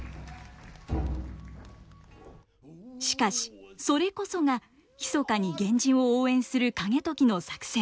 しかしそれこそが密かに源氏を応援する景時の作戦。